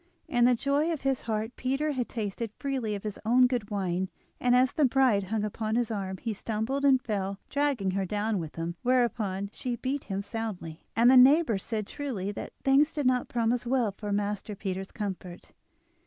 In the joy of his heart Peter had tasted freely of his own good wine, and as the bride hung upon his arm he stumbled and fell, dragging her down with him; whereupon she beat him soundly, and the neighbours said truly that things did not promise well for Master Peter's comfort.